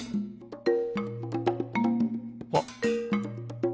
あっ！